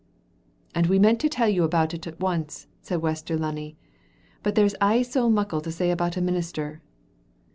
"And we meant to tell you about it at once," said Waster Lunny; "but there's aye so muckle to say about a minister.